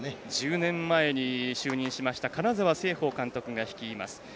１０年前に就任しました金沢成奉監督が率います。